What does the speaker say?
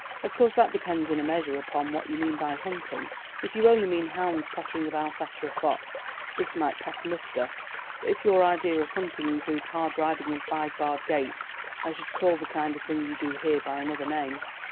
Of course that depends in a measure upon what you mean by hunting. If you only mean hounds pottering about after a fox, this might pass muster; but if your idea of hunting includes hard riding and five barred gates, I should call the kind of thing you do here by another name."